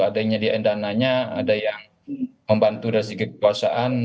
ada yang nyediain dananya ada yang membantu dan sedikit kekuasaan